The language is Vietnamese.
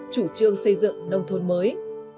chủ trương xây dựng nông thôn mới